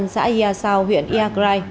xã ia sao huyện iagrai